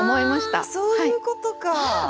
あそういうことか！